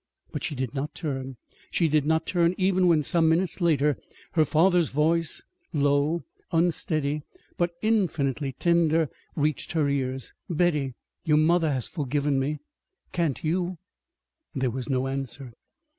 But she did not turn. She did not turn even when some minutes later her father's voice, low, unsteady, but infinitely tender, reached her ears. "Betty, your mother has forgiven me. Can't you?" There was no answer.